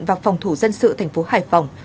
và phòng thủ dân sự thành phố hải phòng